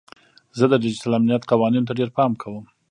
زه د ډیجیټل امنیت قوانینو ته ډیر پام کوم.